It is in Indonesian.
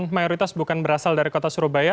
mayoritas bukan berasal dari kota surabaya